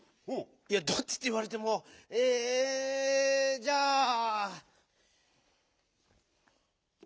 いやどっちっていわれてもえじゃあ「お」で。